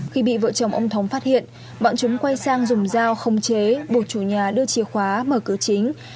khi bị vợ chồng ông thống phát hiện bọn chúng quay sang dùng dao không chế buộc chủ nhà đưa chìa khóa mở cửa chính